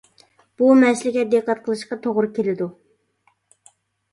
بۇ مەسىلىگە دىققەت قىلىشقا توغرا كېلىدۇ.